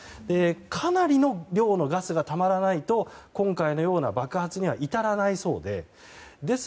かなりの量のガスがたまらないと今回のような爆発には至らないそうです。